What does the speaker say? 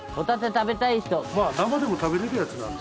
まあ生でも食べられるやつなので。